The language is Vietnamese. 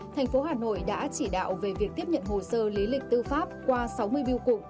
thành phố hà nội đã chỉ đạo về việc tiếp nhận hồ sơ lý lịch tư pháp qua sáu mươi biêu cục